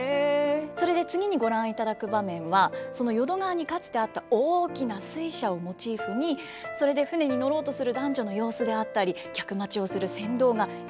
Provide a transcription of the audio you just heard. それで次にご覧いただく場面はその淀川にかつてあった大きな水車をモチーフにそれで舟に乗ろうとする男女の様子であったり客待ちをする船頭が描かれているという。